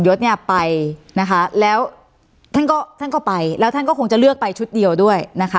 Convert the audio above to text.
คนตรวจเอกสมยศไปแล้วท่านก็ไปแล้วท่านก็คงจะเลือกไปชุดเดียวด้วย